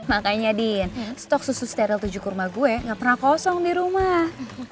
makanya din stok susu steril tujuh kurma gue gak pernah kosong di rumah